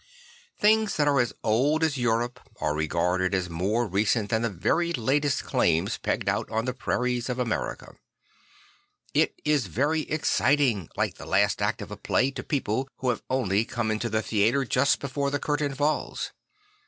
Things that are as old as Europe are regarded as more recent than the very latest claims pegged out on the prairies of America, It is very exciting; like the last act of a play to people who have only come into the theatre just before the curtain falls.